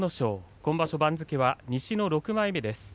今場所、番付は西の６枚目です。